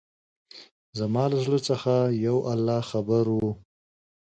زما له زړه څخه يو الله خبر وو.